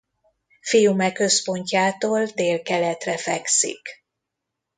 Fiume központjától délkeletre fekszik.